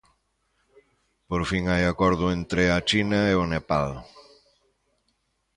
Por fin hai acordo entre a China e o Nepal.